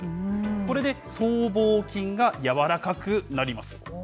これで僧帽筋が柔らかくなります。